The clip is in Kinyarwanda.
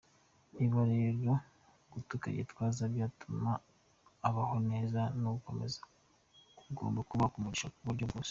Niba rero gutuka Gitwaza byatuma abaho neza nakomeze, tugomba kuba umugisha mu buryo bwose.